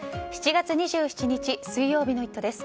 ７月２７日、水曜日の「イット！」です。